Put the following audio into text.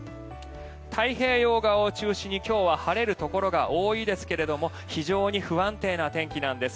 太平洋側を中心に今日は晴れるところが多いですが非常に不安定な天気なんです。